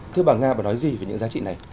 thưa bà nga bà nói gì về những giá trị này